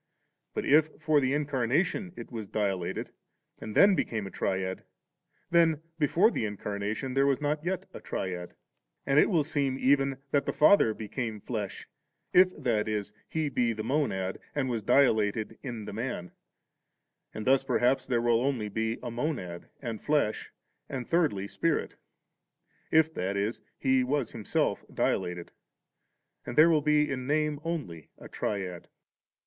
But if for the Incarnation it was dilated, and then became a Triad, then before the Incarnation there was not yet a Triad And it will seem even that the Father became flesh, if, that is. He be the Monad, and was dilated in the Man ; and thus perhaps there will only be a Monad, and flesh, and thirdly Spirit; i^ that is. He was Himsdf dilated; and there will be in name only a Triad.